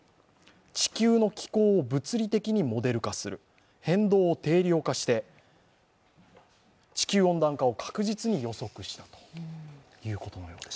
地球の気候を物理的にモデル化する、変動を定量化して地球温暖化を確実に予測したということのようです。